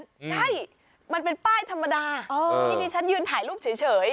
ใช่มันเป็นป้ายธรรมดาที่ดิฉันยืนถ่ายรูปเฉย